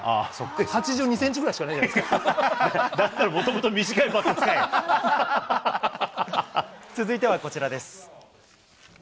８２センチぐらいしかないんじゃだったら、続いてはこちらです。